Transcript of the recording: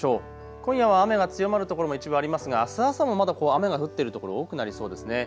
今夜は雨が強まる所も一部ありますがあす朝もまだ雨が降っている所多くなりそうです。